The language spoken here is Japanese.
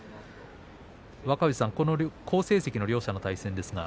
若藤さん、好成績の両者です。